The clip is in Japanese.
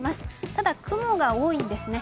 ただ、雲が多いんですね。